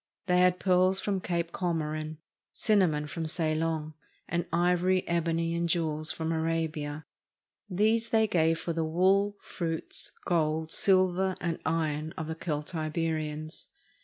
They had pearls from Cape Comorin, cinnamon from Ceylon, and ivory, ebony, and jewels from Arabia. These they gave for the wool, fruits, gold, silver, and iron of the Celtiberians.